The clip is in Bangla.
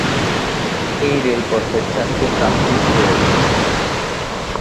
এই রেলপথের চারটি প্রান্তিক রয়েছে।